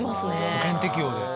保険適用で。